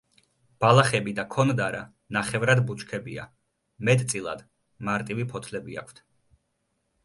ბალახები და ქონდარა ნახევრად ბუჩქებია, მეტწილად მარტივი ფოთლები აქვთ.